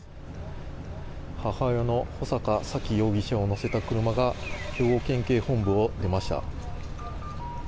母親の穂坂沙喜容疑者を乗せた車が兵庫県警本部を出ました。